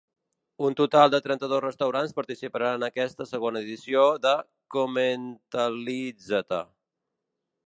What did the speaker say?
Un total de trenta-dos restaurants participaran en aquesta segona edició de ‘Comentalízate’.